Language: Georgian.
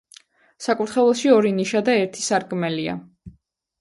საკურთხეველში ორი ნიშა და ერთი სარკმელია.